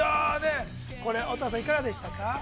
これ、乙葉さん、いかがでしたか。